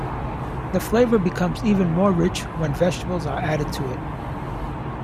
The flavour becomes even more rich when vegetables are added to it.